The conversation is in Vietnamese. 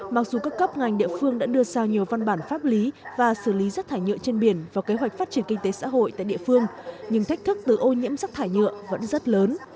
mặc dù các cấp ngành địa phương đã đưa ra nhiều văn bản pháp lý và xử lý rác thải nhựa trên biển vào kế hoạch phát triển kinh tế xã hội tại địa phương nhưng thách thức từ ô nhiễm rác thải nhựa vẫn rất lớn